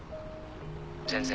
全然。